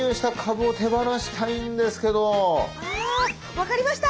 分かりました。